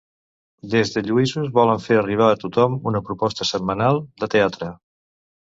Des de Lluïsos volen fer arribar a tothom una proposta setmanal de teatre.